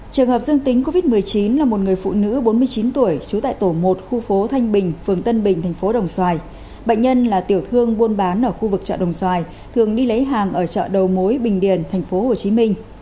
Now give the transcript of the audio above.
trường hợp dương tính covid một mươi chín là một người phụ nữ bốn mươi chín tuổi trú tại tổ một khu phố thanh bình phường tân bình thành phố đồng xoài bệnh nhân là tiểu thương buôn bán ở khu vực chợ đồng xoài thường đi lấy hàng ở chợ đầu mối bình điền thành phố hồ chí minh